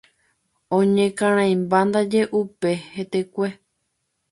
Oñekarãimba ndaje upe hetekue.